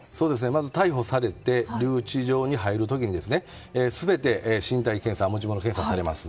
まず逮捕されて留置場に入る時に全て身体検査持ち物検査されます。